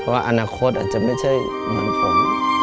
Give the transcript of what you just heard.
ว่าอนาคตอาจจะไม่ใช่เหมือนผม